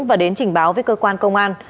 và đến trình báo với cơ quan công an